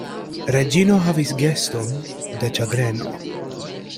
Reĝino havis geston de ĉagreno.